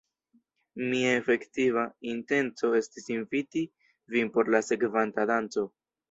Mia efektiva intenco estis inviti vin por la sekvanta danco.